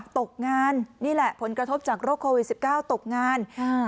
ตกงานนี่แหละผลกระทบจากโรคโควิด๑๙ตกงาน